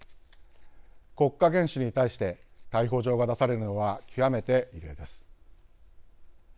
国家元首に対して逮捕状が出されるのは極めて異例です。